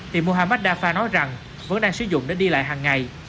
thì muhammad dafar nói rằng vẫn đang sử dụng để đi lại hằng ngày